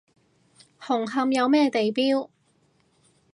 紅磡有咩地標？